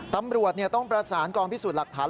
ตำรวจต้องประสานกองพิสูจน์หลักฐาน